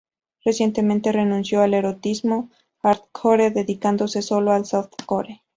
Recientemente renunció al erotismo hardcore, dedicándose sólo al softcore.